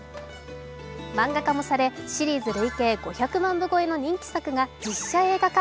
漫画化もされ、シリーズ累計５００万部超えの人気作が実写映画化。